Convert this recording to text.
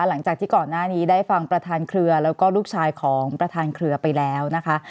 หลังจากที่ก่อนหน้านี้ได้ฟังประธานเครือแล้วก็ลูกชายของประธานเครือไปแล้วนะคะ